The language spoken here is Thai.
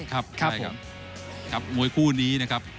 ครับใช่ครับมวยคู่นี้นะครับ